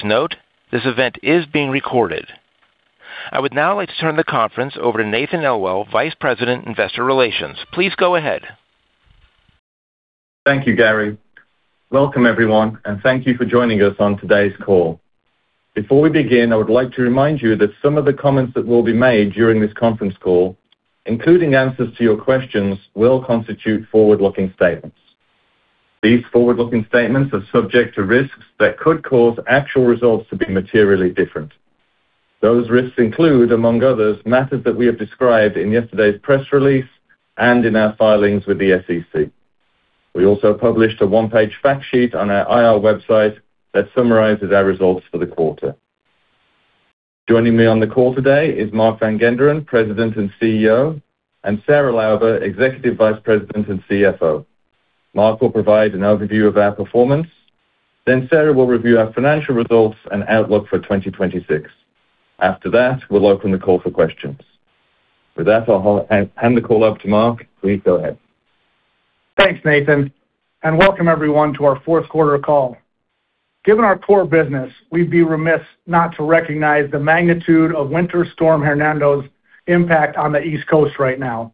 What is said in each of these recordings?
Please note, this event is being recorded. I would now like to turn the conference over to Nathan Elwell, Vice President, Investor Relations. Please go ahead. Thank you, Gary. Welcome, everyone, and thank you for joining us on today's call. Before we begin, I would like to remind you that some of the comments that will be made during this conference call, including answers to your questions, will constitute forward-looking statements. These forward-looking statements are subject to risks that could cause actual results to be materially different. Those risks include, among others, matters that we have described in yesterday's press release and in our filings with the SEC. We also published a one-page fact sheet on our IR website that summarizes our results for the quarter. Joining me on the call today is Mark Van Genderen, President and CEO, and Sarah Lauber, Executive Vice President and CFO. Mark will provide an overview of our performance, then Sarah will review our financial results and outlook for 2026. After that, we'll open the call for questions. With that, I'll hand the call up to Mark. Please go ahead. Thanks, Nathan, and welcome everyone to our Q4 call. Given our core business, we'd be remiss not to recognize the magnitude of Winter Storm Hernando's impact on the East Coast right now.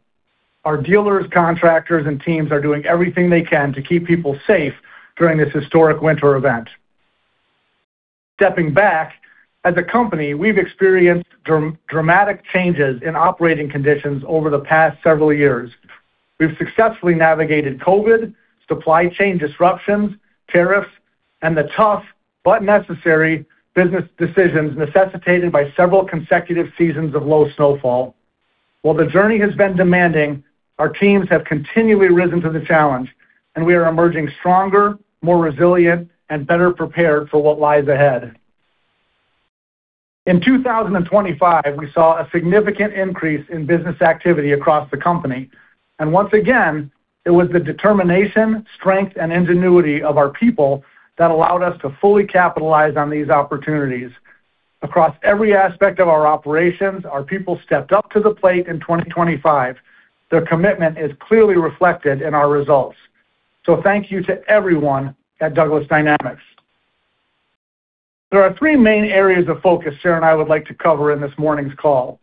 Our dealers, contractors, and teams are doing everything they can to keep people safe during this historic winter event. Stepping back, as a company, we've experienced dramatic changes in operating conditions over the past several years. We've successfully navigated COVID, supply chain disruptions, tariffs, and the tough but necessary business decisions necessitated by several consecutive seasons of low snowfall. While the journey has been demanding, our teams have continually risen to the challenge, and we are emerging stronger, more resilient, and better prepared for what lies ahead. In 2025, we saw a significant increase in business activity across the company, and once again, it was the determination, strength, and ingenuity of our people that allowed us to fully capitalize on these opportunities. Across every aspect of our operations, our people stepped up to the plate in 2025. Their commitment is clearly reflected in our results. Thank you to everyone at Douglas Dynamics. There are three main areas of focus Sarah and I would like to cover in this morning's call.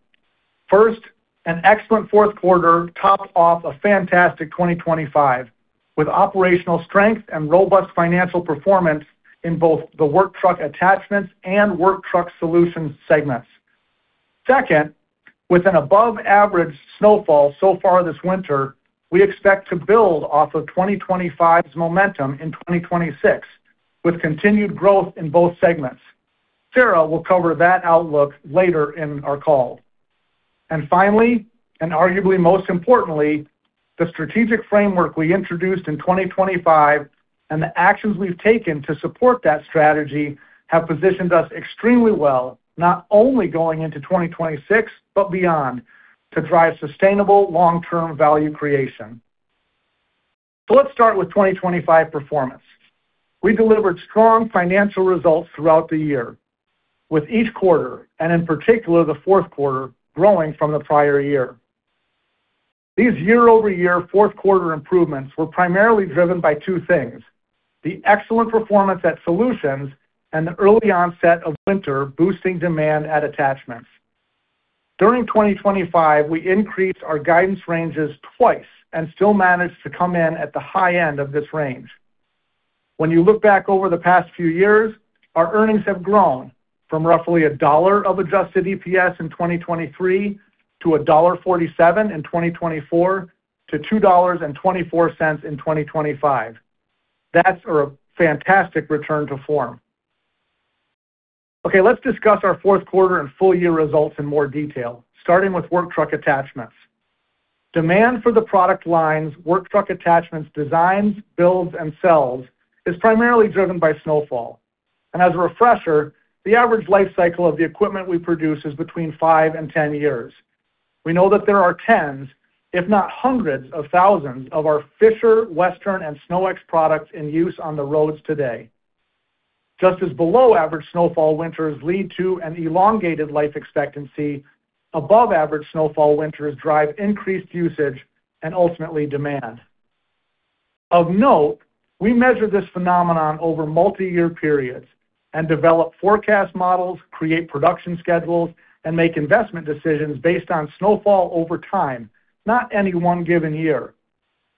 First, an excellent Q4 topped off a fantastic 2025, with operational strength and robust financial performance in both the Work Truck Attachments and Work Truck Solutions segments. Second, with an above-average snowfall so far this winter, we expect to build off of 2025's momentum in 2026, with continued growth in both segments. Sarah will cover that outlook later in our call. Finally, and arguably most importantly, the strategic framework we introduced in 2025 and the actions we've taken to support that strategy have positioned us extremely well, not only going into 2026, but beyond, to drive sustainable long-term value creation. Let's start with 2025 performance. We delivered strong financial results throughout the year, with each quarter, and in particular, the Q4, growing from the prior year. These year-over-year Q4 improvements were primarily driven by two things: the excellent performance at Solutions and the early onset of winter, boosting demand at Attachments. During 2025, we increased our guidance ranges twice and still managed to come in at the high end of this range. When you look back over the past few years, our earnings have grown from roughly $1 of Adjusted EPS in 2023 to $1.47 in 2024 to $2.24 in 2025. That's a fantastic return to form. Let's discuss our Q4 and full year results in more detail, starting with Work Truck Attachments. Demand for the product lines, Work Truck Attachments designs, builds, and sells, is primarily driven by snowfall. As a refresher, the average life cycle of the equipment we produce is between five and 10 years. We know that there are tens, if not hundreds, of thousands of our Fisher, Western, and SnowEx products in use on the roads today. Just as below average snowfall winters lead to an elongated life expectancy, above average snowfall winters drive increased usage and ultimately demand. Of note, we measure this phenomenon over multiyear periods and develop forecast models, create production schedules, and make investment decisions based on snowfall over time, not any one given year.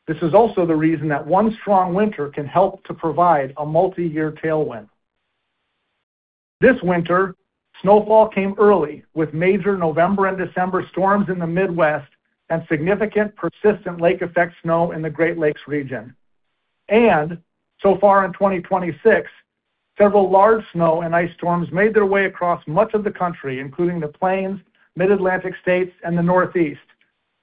This is also the reason that one strong winter can help to provide a multiyear tailwind. This winter, snowfall came early, with major November and December storms in the Midwest and significant, persistent lake-effect snow in the Great Lakes region. So far in 2026, several large snow and ice storms made their way across much of the country, including the Plains, Mid-Atlantic states, and the Northeast,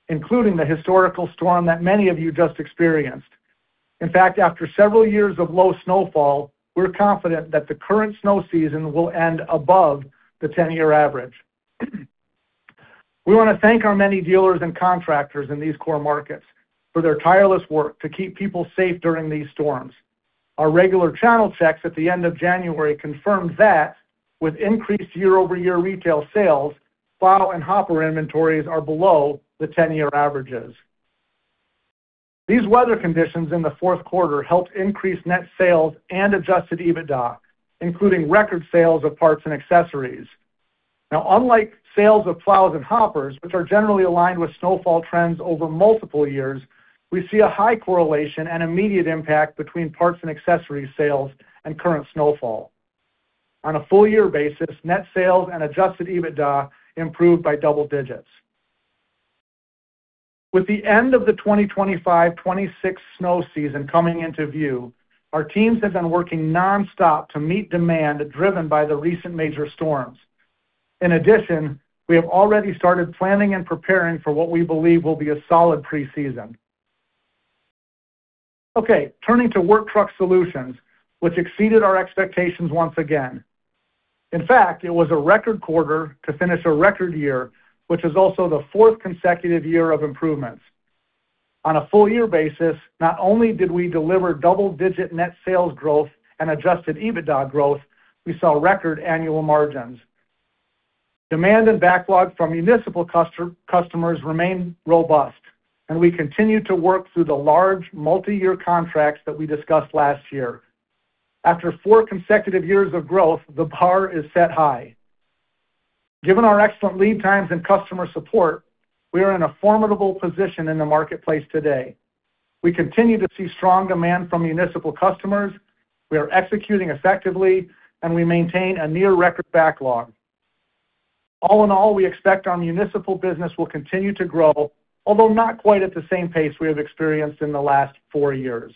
including the historical storm that many of you just experienced. In fact, after several years of low snowfall, we're confident that the current snow season will end above the 10-year average. We want to thank our many dealers and contractors in these core markets for their tireless work to keep people safe during these storms. Our regular channel checks at the end of January confirmed that with increased year-over-year retail sales, plow and hopper inventories are below the 10-year averages. These weather conditions in the Q4 helped increase net sales and Adjusted EBITDA, including record sales of parts and accessories. Unlike sales of plows and hoppers, which are generally aligned with snowfall trends over multiple years, we see a high correlation and immediate impact between parts and accessories sales and current snowfall. On a full year basis, net sales and Adjusted EBITDA improved by double digits. With the end of the 2025-2026 snow season coming into view, our teams have been working nonstop to meet demand driven by the recent major storms. In addition, we have already started planning and preparing for what we believe will be a solid preseason. Turning to Work Truck Solutions, which exceeded our expectations once again. In fact, it was a record quarter to finish a record year, which is also the fourth consecutive year of improvements. On a full year basis, not only did we deliver double-digit net sales growth and Adjusted EBITDA growth, we saw record annual margins. Demand and backlog from municipal customers remain robust, and we continue to work through the large multiyear contracts that we discussed last year. After four consecutive years of growth, the bar is set high. Given our excellent lead times and customer support, we are in a formidable position in the marketplace today. We continue to see strong demand from municipal customers, we are executing effectively, and we maintain a near record backlog. All in all, we expect our municipal business will continue to grow, although not quite at the same pace we have experienced in the last four years.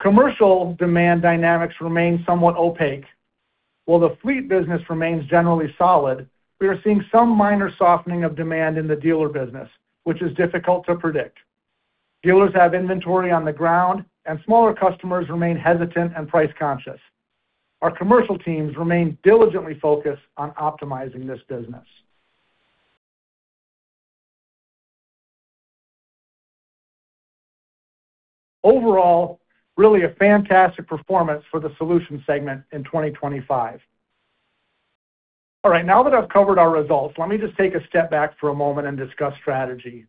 Commercial demand dynamics remain somewhat opaque. While the fleet business remains generally solid, we are seeing some minor softening of demand in the dealer business, which is difficult to predict. Dealers have inventory on the ground, and smaller customers remain hesitant and price conscious. Our commercial teams remain diligently focused on optimizing this business. Overall, really a fantastic performance for the solutions segment in 2025. All right, now that I've covered our results, let me just take a step back for a moment and discuss strategy.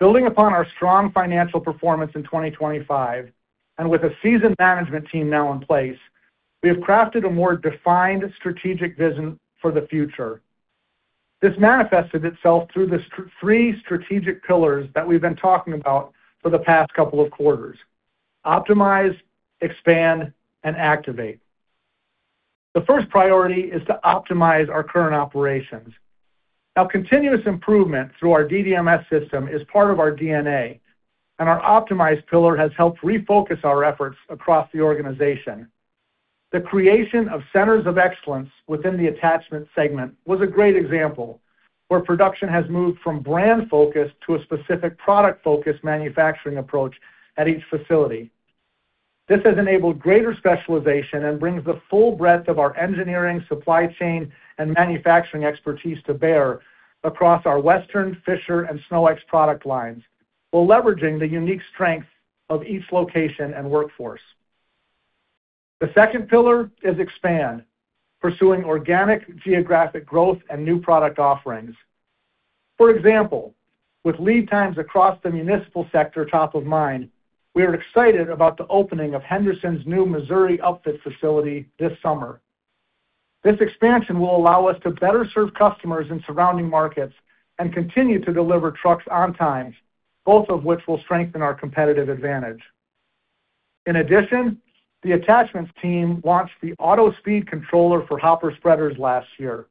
Building upon our strong financial performance in 2025, and with a seasoned management team now in place, we have crafted a more defined strategic vision for the future. This manifested itself through the three strategic pillars that we've been talking about for the past couple of quarters: optimize, expand, and activate. The first priority is to optimize our current operations. Now, continuous improvement through our DDMS system is part of our DNA, and our optimized pillar has helped refocus our efforts across the organization. The creation of centers of excellence within the attachment segment was a great example, where production has moved from brand-focused to a specific product-focused manufacturing approach at each facility. This has enabled greater specialization and brings the full breadth of our engineering, supply chain, and manufacturing expertise to bear across our Western, Fisher, and SnowEx product lines, while leveraging the unique strength of each location and workforce. The second pillar is expand, pursuing organic geographic growth and new product offerings. For example, with lead times across the municipal sector top of mind, we are excited about the opening of Henderson's new Missouri upfit facility this summer. This expansion will allow us to better serve customers in surrounding markets and continue to deliver trucks on time, both of which will strengthen our competitive advantage. In addition, the attachments team launched the Auto Speed controller for hopper spreaders last year.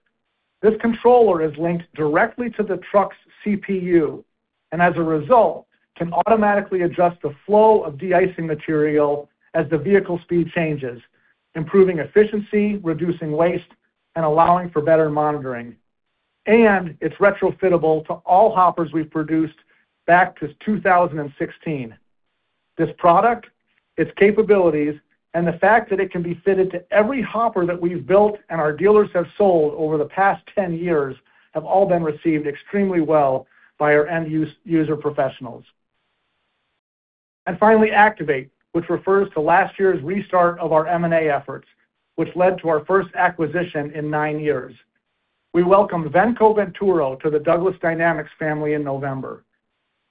This controller is linked directly to the truck's CPU, and as a result, can automatically adjust the flow of de-icing material as the vehicle speed changes, improving efficiency, reducing waste, and allowing for better monitoring. It's retrofittable to all hoppers we've produced back to 2016. This product, its capabilities, and the fact that it can be fitted to every hopper that we've built and our dealers have sold over the past 10 years, have all been received extremely well by our end-user professionals. Finally, activate, which refers to last year's restart of our M&A efforts, which led to our first acquisition in nine years. We welcomed Venco Venturo to the Douglas Dynamics family in November.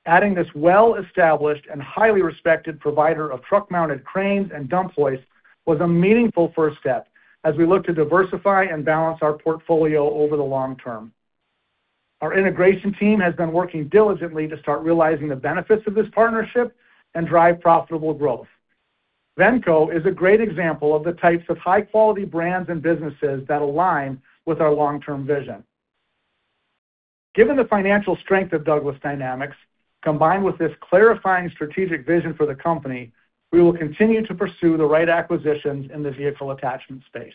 Adding this well-established and highly respected provider of truck-mounted cranes and dump bodies was a meaningful first step as we look to diversify and balance our portfolio over the long term. Our integration team has been working diligently to start realizing the benefits of this partnership and drive profitable growth. Venco is a great example of the types of high-quality brands and businesses that align with our long-term vision. Given the financial strength of Douglas Dynamics, combined with this clarifying strategic vision for the company, we will continue to pursue the right acquisitions in the vehicle attachment space.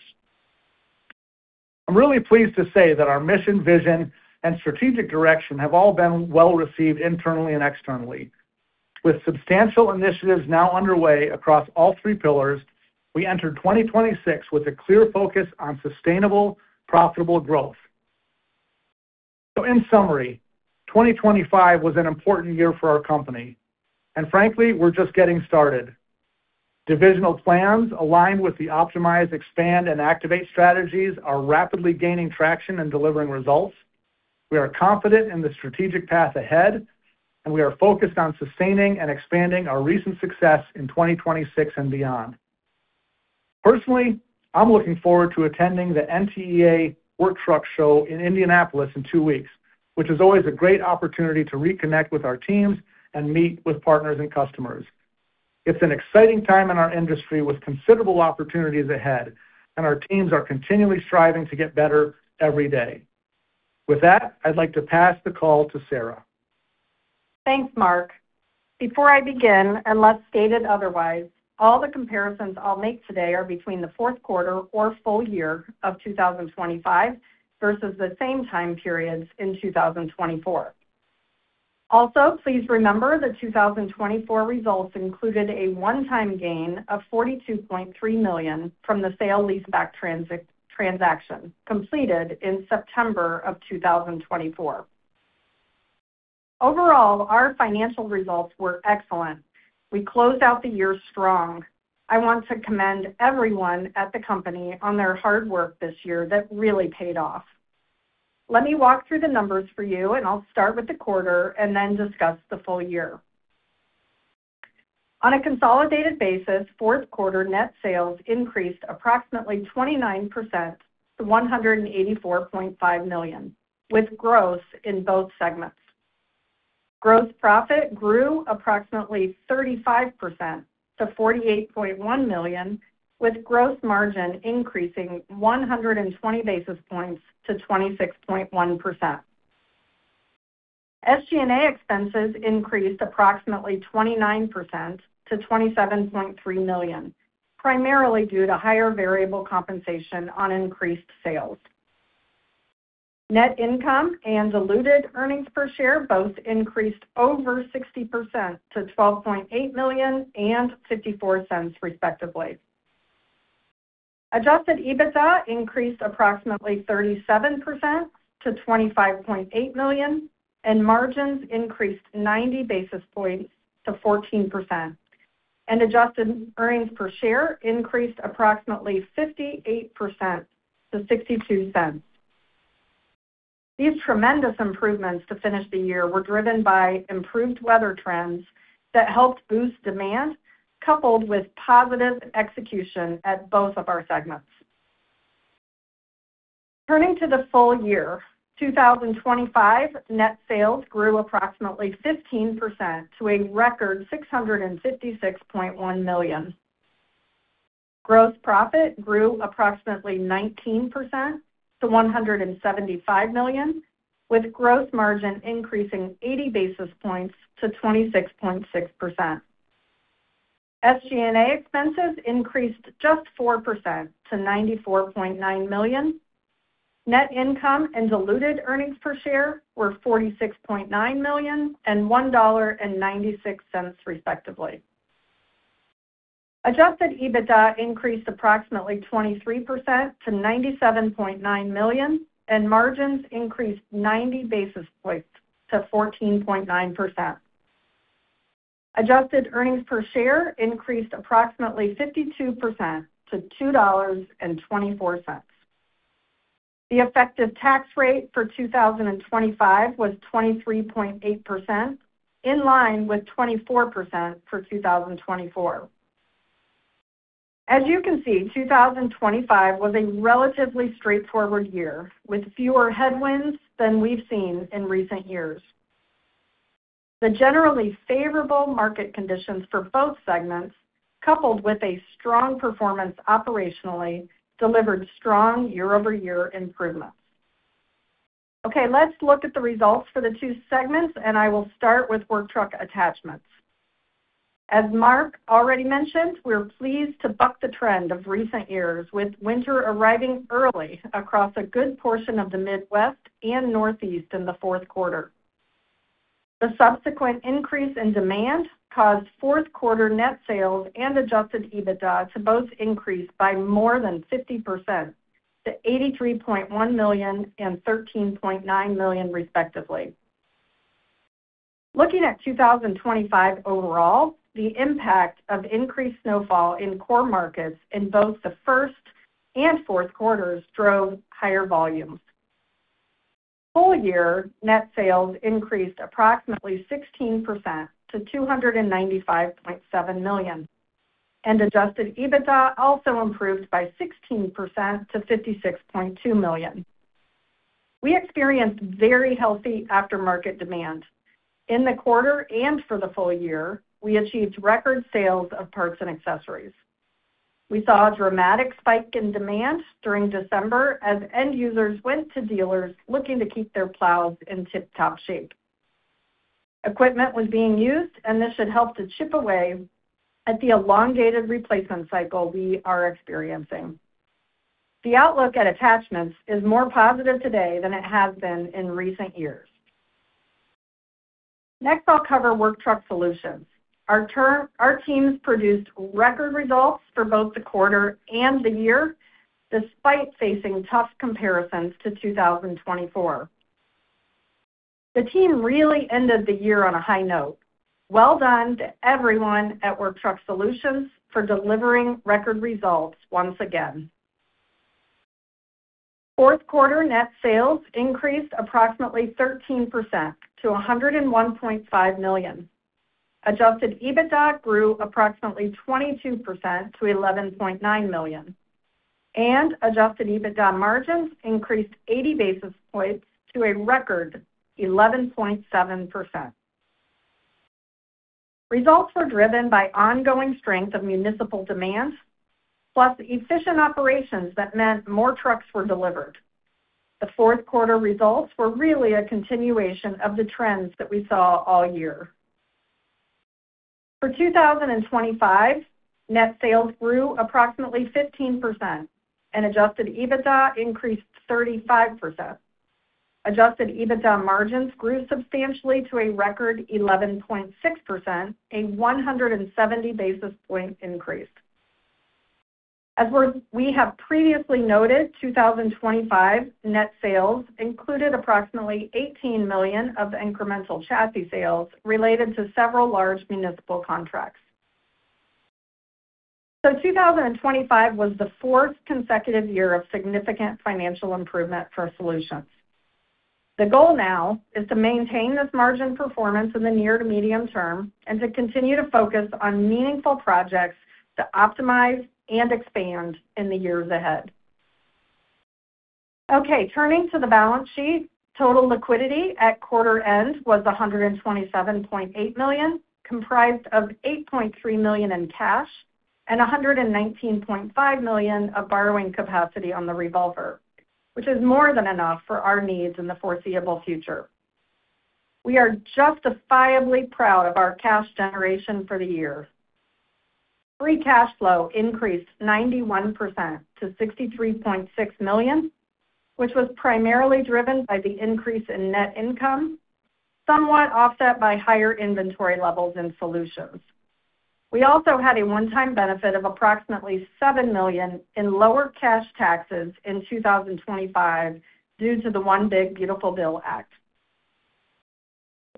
I'm really pleased to say that our mission, vision, and strategic direction have all been well received internally and externally. With substantial initiatives now underway across all three pillars, we enter 2026 with a clear focus on sustainable, profitable growth. In summary, 2025 was an important year for our company, and frankly, we're just getting started. Divisional plans aligned with the optimize, expand, and activate strategies are rapidly gaining traction and delivering results. We are confident in the strategic path ahead, and we are focused on sustaining and expanding our recent success in 2026 and beyond. Personally, I'm looking forward to attending the NTEA Work Truck Show in Indianapolis in two weeks, which is always a great opportunity to reconnect with our teams and meet with partners and customers. It's an exciting time in our industry, with considerable opportunities ahead, and our teams are continually striving to get better every day. With that, I'd like to pass the call to Sarah. Thanks, Mark. Before I begin, unless stated otherwise, all the comparisons I'll make today are between the Q4 or full year of 2025 versus the same time periods in 2024. Please remember, the 2024 results included a one-time gain of $42.3 million from the sale-leaseback transaction, completed in September of 2024. Overall, our financial results were excellent. We closed out the year strong. I want to commend everyone at the company on their hard work this year that really paid off. Let me walk through the numbers for you, and I'll start with the quarter and then discuss the full year. On a consolidated basis, Q4 net sales increased approximately 29% to $184.5 million, with growth in both segments. Gross profit grew approximately 35% to $48.1 million, with gross margin increasing 120 basis points to 26.1%. SG&A expenses increased approximately 29% to $27.3 million, primarily due to higher variable compensation on increased sales. Net income and diluted earnings per share both increased over 60% to $12.8 million and $0.54, respectively. Adjusted EBITDA increased approximately 37% to $25.8 million, margins increased 90 basis points to 14%. Adjusted earnings per share increased approximately 58% to $0.62. These tremendous improvements to finish the year were driven by improved weather trends that helped boost demand, coupled with positive execution at both of our segments. Turning to the full year, 2025 net sales grew approximately 15% to a record $656.1 million. Gross profit grew approximately 19% to $175 million, with gross margin increasing 80 basis points to 26.6%. SG&A expenses increased just 4% to $94.9 million. Net income and diluted earnings per share were $46.9 million and $1.96, respectively. Adjusted EBITDA increased approximately 23% to $97.9 million, and margins increased 90 basis points to 14.9%. Adjusted earnings per share increased approximately 52% to $2.24. The effective tax rate for 2025 was 23.8%, in line with 24% for 2024. As you can see, 2025 was a relatively straightforward year, with fewer headwinds than we've seen in recent years. The generally favorable market conditions for both segments, coupled with a strong performance operationally, delivered strong year-over-year improvements. Okay, let's look at the results for the two segments, and I will start with Work Truck Attachments. As Mark already mentioned, we're pleased to buck the trend of recent years, with winter arriving early across a good portion of the Midwest and Northeast in the Q4. The subsequent increase in demand caused Q4 net sales and Adjusted EBITDA to both increase by more than 50% to $83.1 million and $13.9 million, respectively. Looking at 2025 overall, the impact of increased snowfall in core markets in both the first and fourth quarters drove higher volumes. Full year net sales increased approximately 16% to $295.7 million, and Adjusted EBITDA also improved by 16% to $56.2 million. We experienced very healthy aftermarket demand. In the quarter, and for the full year, we achieved record sales of parts and accessories. We saw a dramatic spike in demand during December as end users went to dealers looking to keep their plows in tip-top shape. Equipment was being used, and this should help to chip away at the elongated replacement cycle we are experiencing. The outlook at attachments is more positive today than it has been in recent years. Next, I'll cover Work Truck Solutions. Our teams produced record results for both the quarter and the year, despite facing tough comparisons to 2024. The team really ended the year on a high note. Well done to everyone at Work Truck Solutions for delivering record results once again. Q4 net sales increased approximately 13% to $101.5 million. Adjusted EBITDA grew approximately 22% to $11.9 million, and Adjusted EBITDA margins increased 80 basis points to a record 11.7%. Results were driven by ongoing strength of municipal demand, plus efficient operations that meant more trucks were delivered. The Q4 results were really a continuation of the trends that we saw all year. For 2025, net sales grew approximately 15% and Adjusted EBITDA increased 35%. Adjusted EBITDA margins grew substantially to a record 11.6%, a 170 basis point increase. As we have previously noted, 2025 net sales included approximately $18 million of incremental chassis sales related to several large municipal contracts. 2025 was the fourth consecutive year of significant financial improvement for Solutions. The goal now is to maintain this margin performance in the near to medium term, and to continue to focus on meaningful projects to optimize and expand in the years ahead. Turning to the balance sheet. Total liquidity at quarter end was $127.8 million, comprised of $8.3 million in cash and $119.5 million of borrowing capacity on the revolver, which is more than enough for our needs in the foreseeable future. We are justifiably proud of our cash generation for the year. Free cash flow increased 91% to $63.6 million, which was primarily driven by the increase in net income, somewhat offset by higher inventory levels in solutions. We also had a one-time benefit of approximately $7 million in lower cash taxes in 2025 due toAct.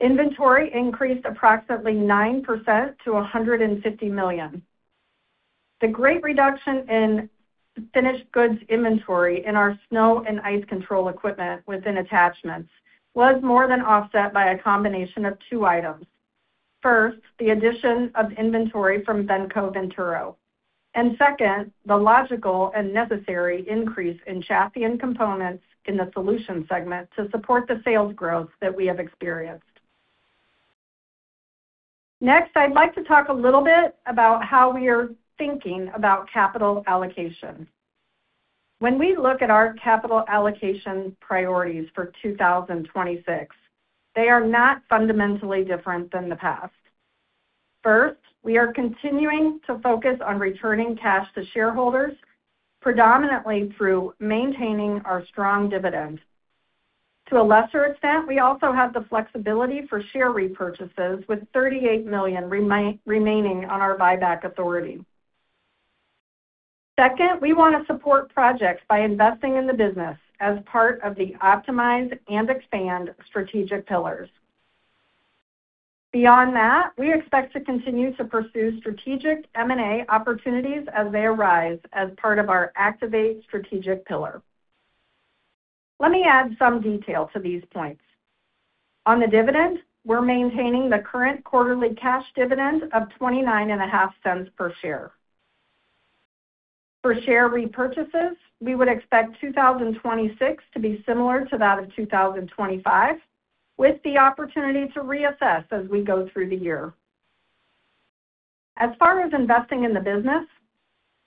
Inventory increased approximately 9% to $150 million. The great reduction in finished goods inventory in our snow and ice control equipment within attachments was more than offset by a combination of two items. First, the addition of inventory from Venco Venturo, and second, the logical and necessary increase in chassis and components in the solutions segment to support the sales growth that we have experienced. Next, I'd like to talk a little bit about how we are thinking about capital allocation. When we look at our capital allocation priorities for 2026, they are not fundamentally different than the past. First, we are continuing to focus on returning cash to shareholders, predominantly through maintaining our strong dividend. To a lesser extent, we also have the flexibility for share repurchases, with $38 million remaining on our buyback authority. Second, we want to support projects by investing in the business as part of the optimize and expand strategic pillars. Beyond that, we expect to continue to pursue strategic M&A opportunities as they arise as part of our Activate strategic pillar. Let me add some detail to these points. On the dividend, we're maintaining the current quarterly cash dividend of $0.295 per share. For share repurchases, we would expect 2026 to be similar to that of 2025, with the opportunity to reassess as we go through the year. As far as investing in the business,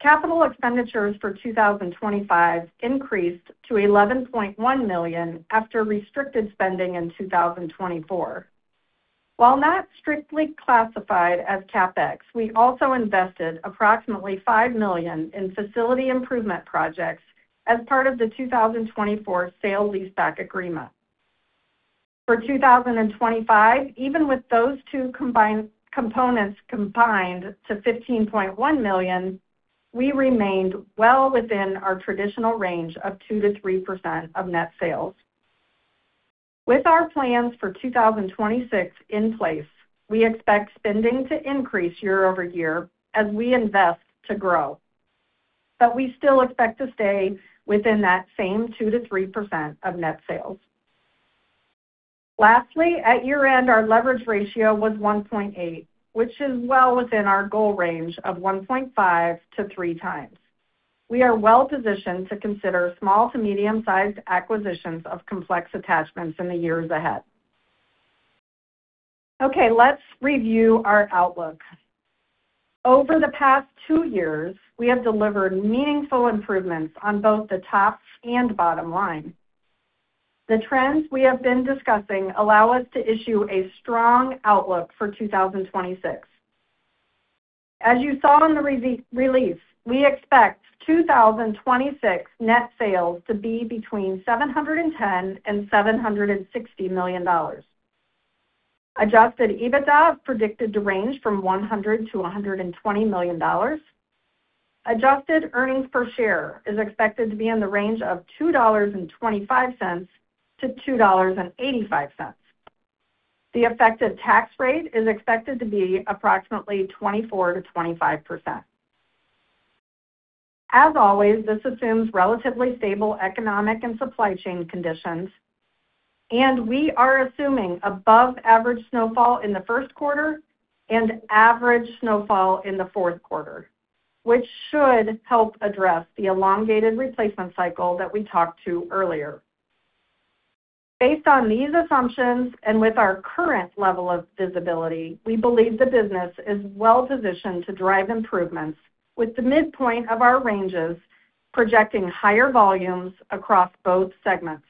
capital expenditures for 2025 increased to $11.1 million after restricted spending in 2024. While not strictly classified as CapEx, we also invested approximately $5 million in facility improvement projects as part of the 2024 sale-leaseback agreement. For 2025, even with those two components combined to $15.1 million, we remained well within our traditional range of 2%-3% of net sales. With our plans for 2026 in place, we expect spending to increase year-over-year as we invest to grow. We still expect to stay within that same 2%-3% of net sales. Lastly, at year-end, our leverage ratio was 1.8, which is well within our goal range of 1.5x-3x We are well positioned to consider small to medium-sized acquisitions of complex attachments in the years ahead. Okay, let's review our outlook. Over the past two years, we have delivered meaningful improvements on both the top and bottom line. The trends we have been discussing allow us to issue a strong outlook for 2026. As you saw in the release, we expect 2026 net sales to be between $710 million and $760 million. Adjusted EBITDA predicted to range from $100 million-$120 million. Adjusted earnings per share is expected to be in the range of $2.25-$2.85. The effective tax rate is expected to be approximately 24%-25%. As always, this assumes relatively stable economic and supply chain conditions. We are assuming above average snowfall in the Q1 and average snowfall in the Q4, which should help address the elongated replacement cycle that we talked to earlier. Based on these assumptions and with our current level of visibility, we believe the business is well positioned to drive improvements, with the midpoint of our ranges projecting higher volumes across both segments,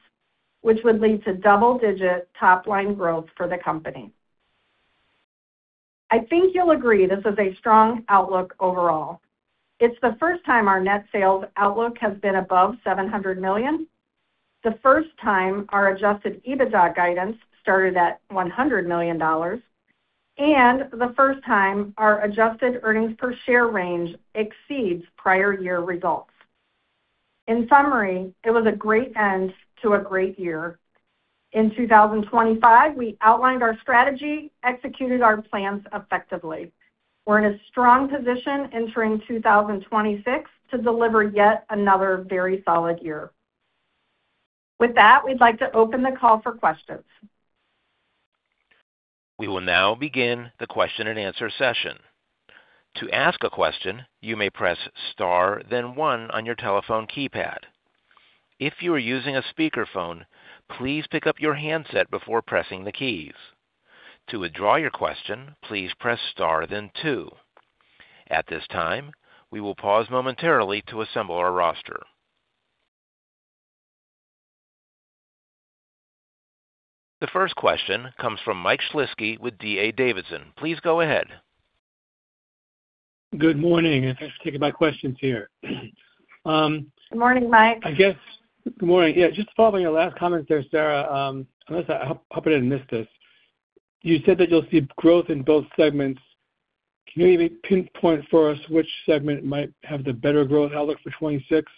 which would lead to double-digit top-line growth for the company. I think you'll agree this is a strong outlook overall. It's the first time our net sales outlook has been above $700 million, the first time our Adjusted EBITDA guidance started at $100 million, and the first time our Adjusted earnings per share range exceeds prior year results. In summary, it was a great end to a great year. In 2025, we outlined our strategy, executed our plans effectively. We're in a strong position entering 2026 to deliver yet another very solid year. With that, we'd like to open the call for questions. We will now begin the question-and-answer session. To ask a question, you may press star then one on your telephone keypad. If you are using a speakerphone, please pick up your handset before pressing the keys. To withdraw your question, please press star then two. At this time, we will pause momentarily to assemble our roster. The first question comes from Michael Shlisky with D.A. Davidson. Please go ahead. Good morning. Thanks for taking my questions here. Good morning, Mike. I guess, good morning. Yeah, just following your last comment there, Sarah, unless I hope I didn't miss this. You said that you'll see growth in both segments. Can you maybe pinpoint for us which segment might have the better growth outlook for 2026?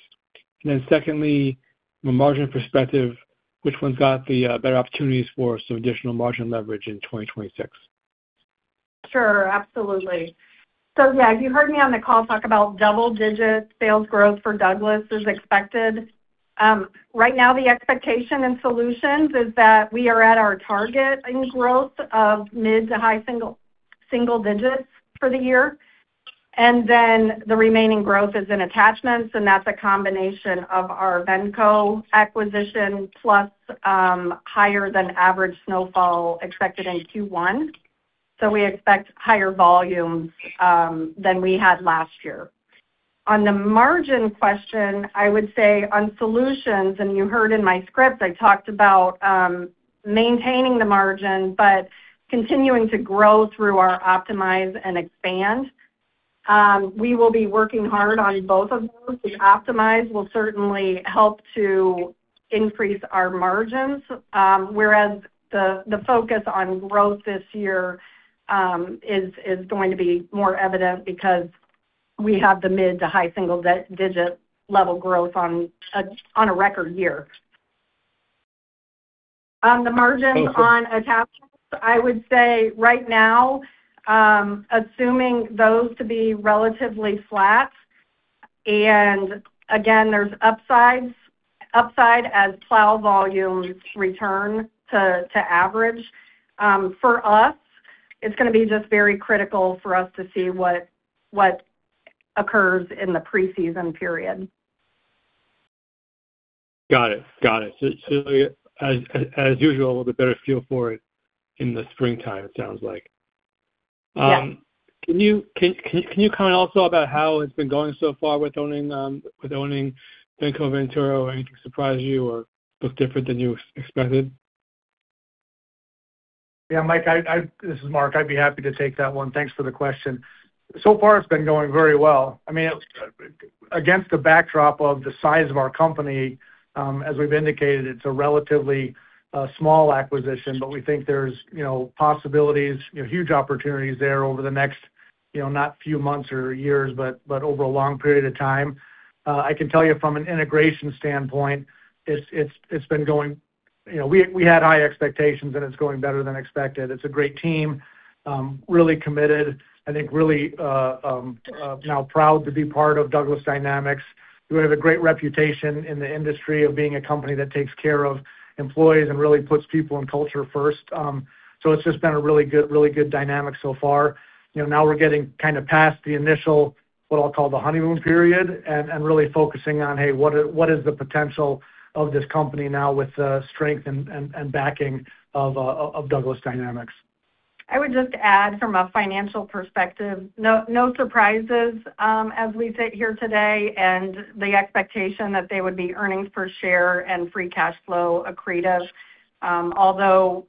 Secondly, from a margin perspective, which one's got the better opportunities for some additional margin leverage in 2026? Sure. Absolutely. You heard me on the call talk about double-digit sales growth for Douglas as expected. Right now, the expectation in Solutions is that we are at our target in growth of mid to high single digits for the year, and then the remaining growth is in Attachments, and that's a combination of our Venco acquisition, plus, higher than average snowfall expected in Q1. We expect higher volumes than we had last year. On the margin question, I would say on Solutions, and you heard in my script, I talked about maintaining the margin, but continuing to grow through our optimize and expand. We will be working hard on both of those. The optimize will certainly help to increase our margins, whereas the focus on growth this year, is going to be more evident because we have the mid to high single-digit level growth on a record year. Thank you. -on attachments, I would say right now, assuming those to be relatively flat, and again, there's upside as plow volumes return to average. For us, it's gonna be just very critical for us to see what occurs in the preseason period. Got it. As usual, we'll get a better feel for it in the springtime, it sounds like. Yeah. can you comment also about how it's been going so far with owning Venco Venturo? Anything surprise you or look different than you expected? Yeah, Mike. This is Mark. I'd be happy to take that one. Thanks for the question. So far, it's been going very well. I mean, against the backdrop of the size of our company, as we've indicated, it's a relatively small acquisition, but we think there's, you know, possibilities, you know, huge opportunities there over the next, you know, not few months or years, but over a long period of time. I can tell you from an integration standpoint, it's been going, you know, we had high expectations. It's going better than expected. It's a great team, really committed, I think really now proud to be part of Douglas Dynamics. We have a great reputation in the industry of being a company that takes care of employees and really puts people and culture first. It's just been a really good dynamic so far. You know, now we're getting kind of past the initial, what I'll call the honeymoon period, and really focusing on, hey, what is the potential of this company now with the strength and backing of Douglas Dynamics? I would just add from a financial perspective, no surprises, as we sit here today, and the expectation that they would be earnings per share and free cash flow accretive. Although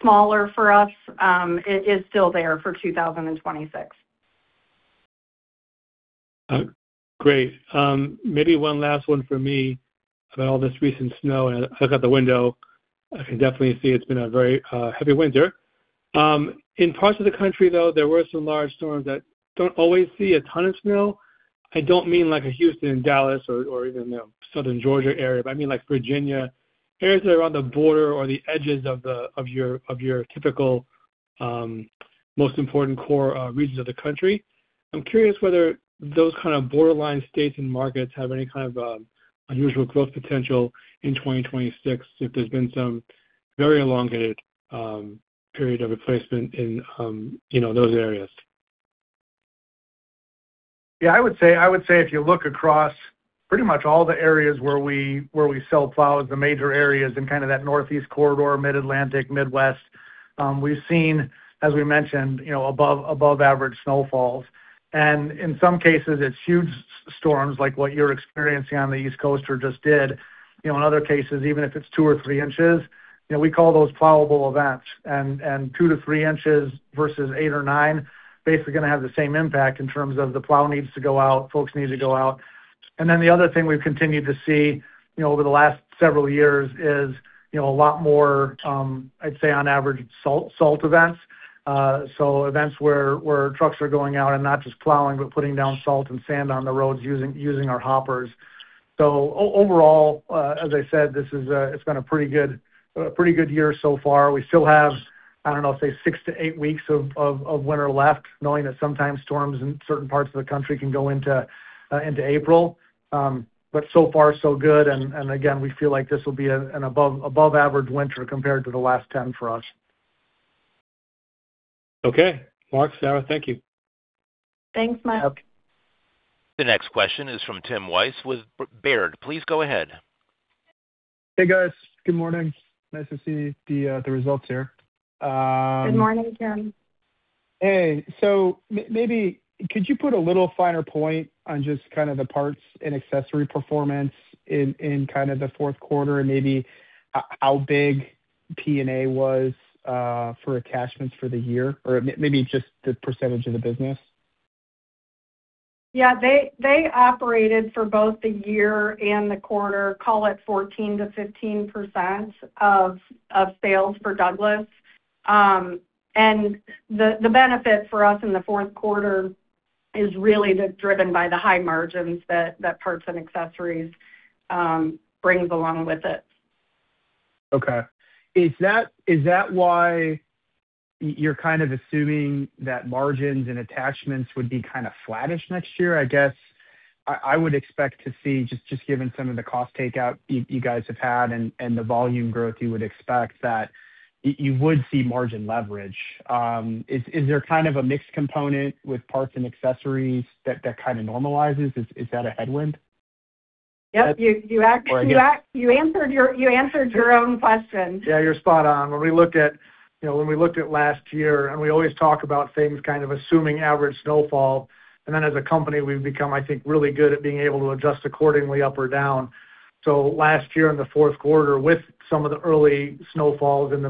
smaller for us, it is still there for 2026.... great. Maybe one last one for me. About all this recent snow, I look out the window, I can definitely see it's been a very heavy winter. In parts of the country, though, there were some large storms that don't always see a ton of snow. I don't mean like a Houston, Dallas, or even, you know, southern Georgia area, but I mean like Virginia, areas that are on the border or the edges of your typical, most important core regions of the country. I'm curious whether those kind of borderline states and markets have any kind of unusual growth potential in 2026, if there's been some very elongated period of replacement in, you know, those areas. I would say if you look across pretty much all the areas where we, where we sell plows, the major areas in kind of that Northeast corridor, Mid-Atlantic, Midwest, we've seen, as we mentioned, you know, above average snowfalls. In some cases it's huge storms like what you're experiencing on the East Coast or just did. You know, in other cases, even if it's two or three inches, you know, we call those plowable events. Two-three inches versus eight or nine, basically gonna have the same impact in terms of the plow needs to go out, folks need to go out. Then the other thing we've continued to see, you know, over the last several years is, you know, a lot more, I'd say, on average, salt events. Events where trucks are going out and not just plowing, but putting down salt and sand on the roads, using our hoppers. Overall, as I said, this is it's been a pretty good year so far. We still have, I don't know, say six-eight weeks of winter left, knowing that sometimes storms in certain parts of the country can go into April. So far, so good. Again, we feel like this will be an above average winter compared to the last 10 for us. Okay. Mark, Sarah, thank you. Thanks, Mike. The next question is from Timothy Wojs with Baird. Please go ahead. Hey, guys. Good morning. Nice to see the results here. Good morning, Tim. Hey, maybe could you put a little finer point on just kind of the parts and accessory performance in kind of the Q4 and maybe how big PNA was for attachments for the year? Or maybe just the percentage of the business. Yeah, they operated for both the year and the quarter, call it 14%-15% of sales for Douglas. The benefit for us in the Q4 is really driven by the high margins that parts and accessories brings along with it. Okay. Is that why you're kind of assuming that margins and attachments would be kind of flattish next year? I guess I would expect to see, given some of the cost takeout you guys have had and the volume growth, you would expect that you would see margin leverage. Is there kind of a mixed component with parts and accessories that kind of normalizes? Is that a headwind? Yep. You. Or I guess- You answered your own question. Yeah, you're spot on. When we looked at last year, we always talk about things kind of assuming average snowfall, as a company, we've become, I think, really good at being able to adjust accordingly up or down. Last year, in the Q4, with some of the early snowfalls in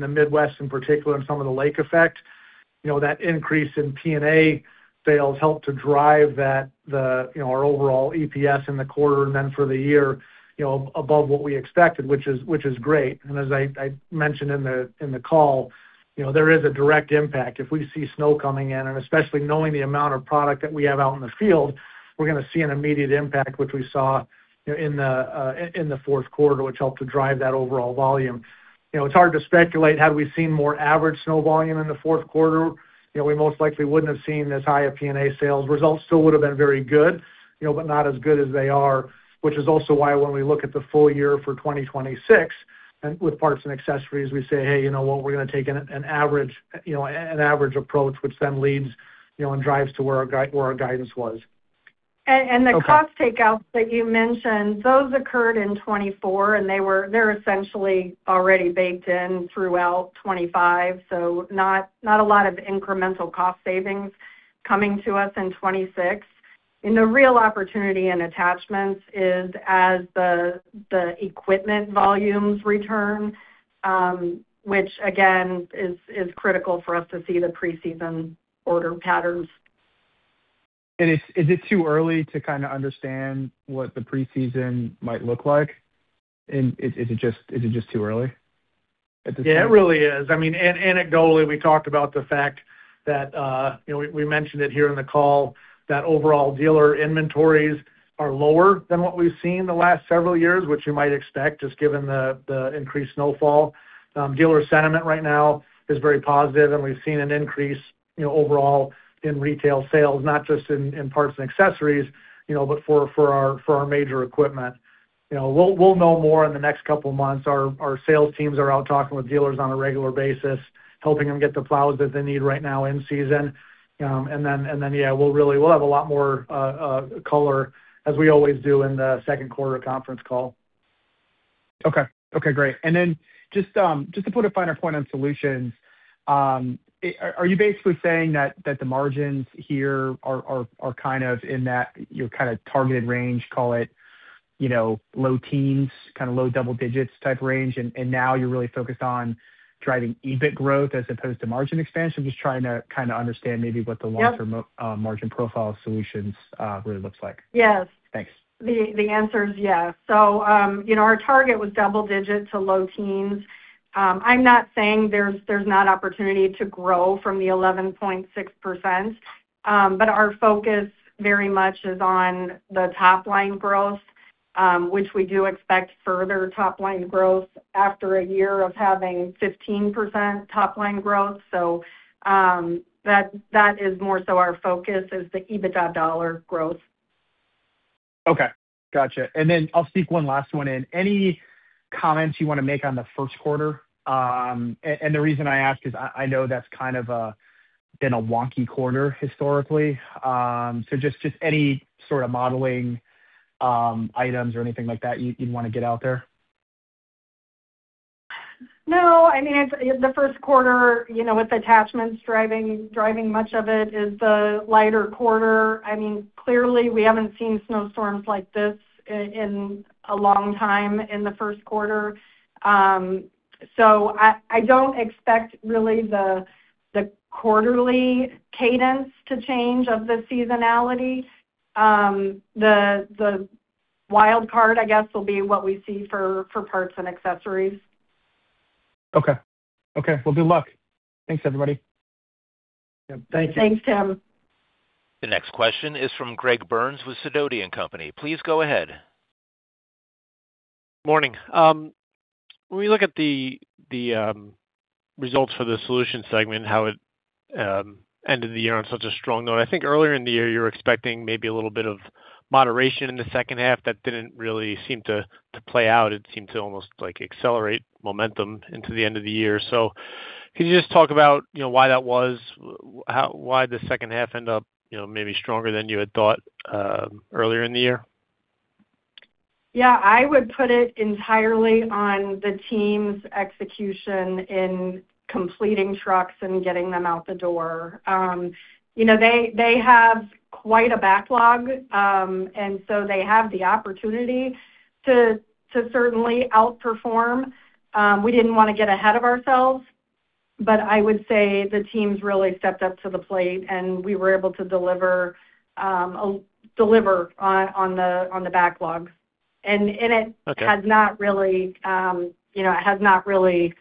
the Midwest in particular, and some of the lake effect, you know, that increase in PNA sales helped to drive our overall EPS in the quarter and then for the year, you know, above what we expected, which is great. As I mentioned in the call, you know, there is a direct impact. If we see snow coming in, and especially knowing the amount of product that we have out in the field, we're gonna see an immediate impact, which we saw, you know, in the Q4, which helped to drive that overall volume. You know, it's hard to speculate, had we seen more average snow volume in the Q4, you know, we most likely wouldn't have seen as high a PNA sales. Results still would have been very good, you know, but not as good as they are, which is also why when we look at the full year for 2026, and with parts and accessories, we say: Hey, you know what? We're gonna take an average, you know, an average approach, which then leads, you know, and drives to where our guidance was. And, and- Okay. The cost takeouts that you mentioned, those occurred in 2024, and they're essentially already baked in throughout 2025, so not a lot of incremental cost savings coming to us in 2026. The real opportunity in attachments is as the equipment volumes return, which again, is critical for us to see the preseason order patterns. Is it too early to kind of understand what the preseason might look like? Is it just too early at this point? Yeah, it really is. I mean, anecdotally, we talked about the fact that, you know, we mentioned it here in the call, that overall dealer inventories are lower than what we've seen in the last several years, which you might expect, just given the increased snowfall. Dealer sentiment right now is very positive, we've seen an increase, you know, overall in retail sales, not just in parts and accessories, you know, but for our major equipment. You know, we'll know more in the next couple of months. Our sales teams are out talking with dealers on a regular basis, helping them get the plows that they need right now in season. Then, yeah, we'll really have a lot more color, as we always do in the Q2 conference call. Okay. Okay, great. Then just to put a finer point on solutions, are you basically saying that the margins here are kind of in that your kind of targeted range, call it? You know, low teens, kind of low double digits type range, and now you're really focused on driving EBIT growth as opposed to margin expansion? Just trying to kind of understand maybe what the long-term. Yep. margin profile solutions, really looks like. Yes. Thanks. The answer is yes. You know, our target was double-digit to low teens. I'm not saying there's not opportunity to grow from the 11.6%, but our focus very much is on the top line growth, which we do expect further top line growth after a year of having 15% top line growth. That is more so our focus is the EBITDA dollar growth. Okay, gotcha. I'll sneak one last one in. Any comments you want to make on the Q1? The reason I ask is I know that's kind of been a wonky quarter historically. Just any sort of modeling items or anything like that you'd want to get out there? No, I mean, the Q1, you know, with attachments driving much of it is a lighter quarter. I mean, clearly, we haven't seen snowstorms like this in a long time in the Q1. I don't expect really the quarterly cadence to change of the seasonality. The wild card, I guess, will be what we see for parts and accessories. Okay. Okay, well, good luck. Thanks, everybody. Thank you. Thanks, Tim. The next question is from Greg Burns with Sidoti & Company. Please go ahead. Morning. When we look at the results for the solutions segment, how it ended the year on such a strong note. I think earlier in the year, you were expecting maybe a little bit of moderation in the second half. That didn't really seem to play out. It seemed to almost, like, accelerate momentum into the end of the year. Can you just talk about, you know, why that was, why the second half end up, you know, maybe stronger than you had thought earlier in the year? Yeah, I would put it entirely on the team's execution in completing trucks and getting them out the door. You know, they have quite a backlog, and so they have the opportunity to certainly outperform. We didn't want to get ahead of ourselves, but I would say the teams really stepped up to the plate, and we were able to deliver on the backlogs. Okay. It has not really, you know, it has not really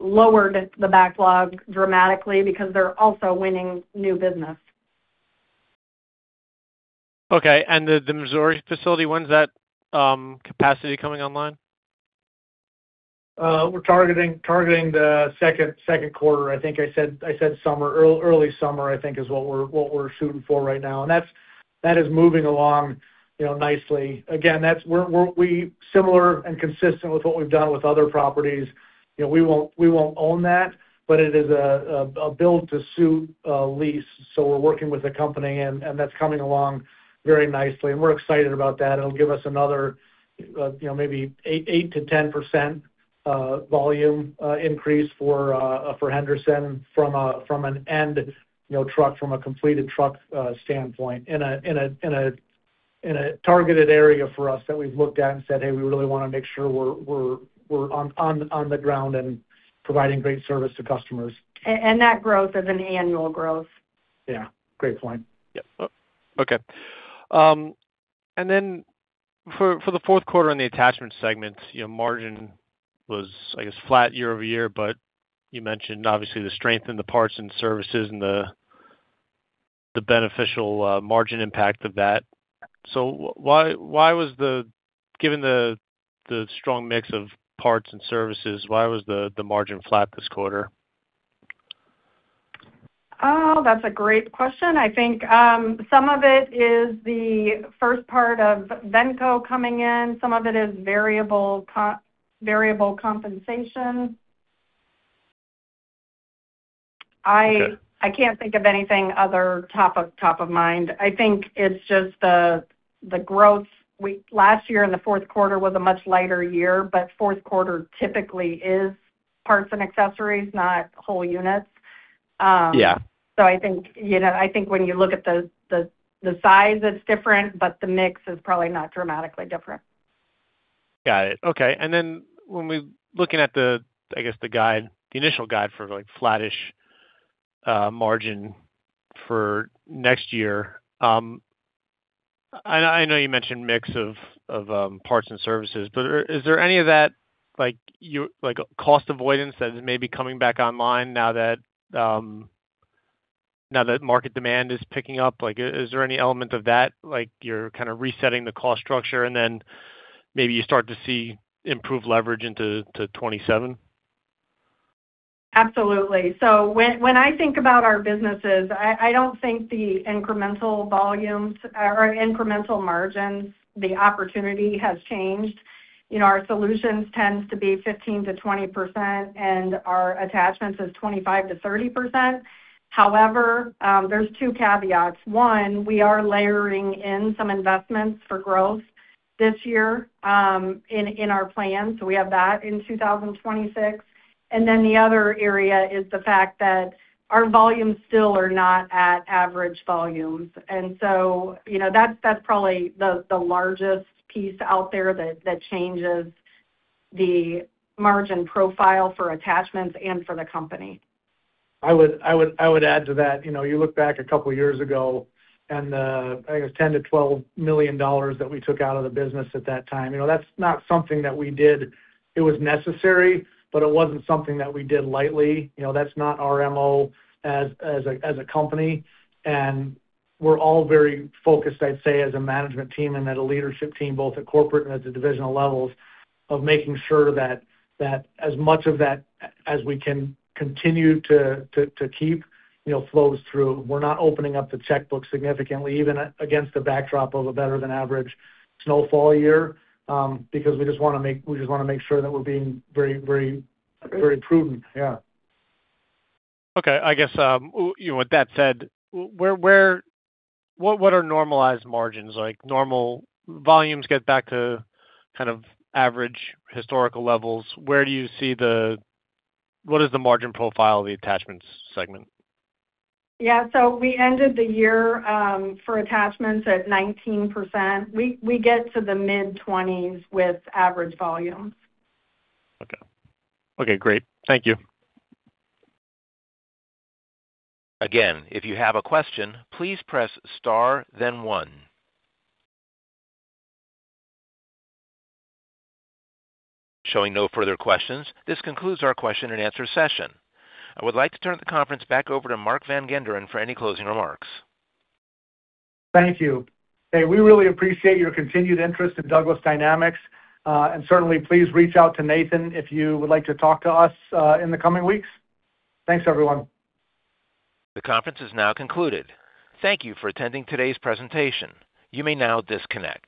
lowered the backlog dramatically because they're also winning new business. Okay. the Missouri facility, when's that capacity coming online? We're targeting the Q2. I think I said summer. Early summer, I think is what we're shooting for right now, and that is moving along, you know, nicely. Again, that's we're similar and consistent with what we've done with other properties. You know, we won't own that, but it is a build-to-suit lease, so we're working with the company and that's coming along very nicely, and we're excited about that. It'll give us another, you know, maybe 8-10% volume increase for Henderson from an end, you know, truck, from a completed truck standpoint. In a targeted area for us that we've looked at and said, "Hey, we really want to make sure we're on the ground and providing great service to customers. That growth is an annual growth. Yeah, great point. Yep. Oh, okay. Then for the Q4 on the attachment segment, your margin was, I guess, flat year-over-year, but you mentioned obviously the strength in the parts and services and the beneficial margin impact of that. Given the strong mix of parts and services, why was the margin flat this quarter? That's a great question. I think some of it is the first part of Venco coming in, some of it is variable compensation. Okay. I can't think of anything other top of mind. I think it's just the growth. Last year, in the Q4 was a much lighter year, but Q4 typically is parts and accessories, not whole units. Yeah. I think, you know, I think when you look at the size, it's different, but the mix is probably not dramatically different. Got it. Okay. Looking at the, I guess, the guide, the initial guide for, like, flattish margin for next year, I know you mentioned mix of parts and services, but is there any of that, like, cost avoidance that may be coming back online now that now that market demand is picking up? Like, is there any element of that? Like, you're kind of resetting the cost structure, and then maybe you start to see improved leverage into 2027? Absolutely. When I think about our businesses, I don't think the incremental volumes or incremental margins, the opportunity has changed. You know, our Solutions tends to be 15%-20%, and our Attachments is 25%-30%. However, there's two caveats. One, we are layering in some investments for growth this year, in our plan, so we have that in 2026. The other area is the fact that our volumes still are not at average volumes. You know, that's probably the largest piece out there that changes the margin profile for Attachments and for the company. I would add to that, you know, you look back a couple of years ago, and I think it was $10 million-$12 million that we took out of the business at that time. You know, that's not something that we did. It was necessary, but it wasn't something that we did lightly. You know, that's not our MO as a company, and we're all very focused, I'd say, as a management team and as a leadership team, both at corporate and at the divisional levels, of making sure that as much of that as we can continue to keep, you know, flows through. We're not opening up the checkbook significantly, even against the backdrop of a better than average snowfall year, because we just want to make sure that we're being very prudent. Yeah. Okay. I guess, you know, with that said, what are normalized margins? Like, normal volumes get back to kind of average historical levels. Where do you see what is the margin profile of the attachments segment? Yeah, we ended the year, for Attachments at 19%. We get to the mid-twenties with average volumes. Okay. Okay, great. Thank you. Again, if you have a question, please press Star, then one. Showing no further questions, this concludes our question and answer session. I would like to turn the conference back over to Mark Van Genderen for any closing remarks. Thank you. Hey, we really appreciate your continued interest in Douglas Dynamics, and certainly please reach out to Nathan if you would like to talk to us, in the coming weeks. Thanks, everyone. The conference is now concluded. Thank you for attending today's presentation. You may now disconnect.